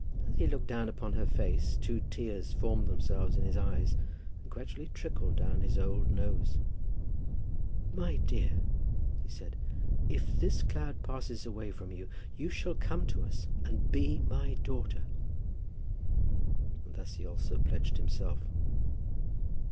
As he looked down upon her face two tears formed themselves in his eyes, and gradually trickled down his old nose. "My dear," he said, "if this cloud passes away from you, you shall come to us and be my daughter." And thus he also pledged himself.